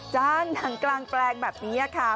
จ้างหนังกลางแปลงแบบนี้ค่ะ